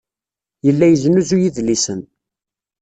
Yella yesnuzuy idlisen.